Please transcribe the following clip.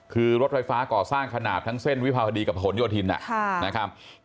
คือรถไฟฟ้าก่อสร้างขนาดทั้งเส้นวิภาวดีกับผลโยธินนะครับ